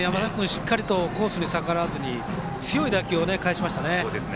しっかりとコースに逆らわず強い打球を返しました。